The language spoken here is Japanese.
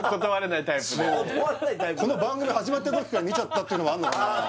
そうこの番組始まった時から見ちゃったっていうのもあんのかな？